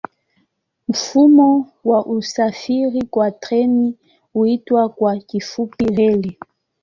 Mfumo wa usafiri kwa treni huitwa kwa kifupi reli.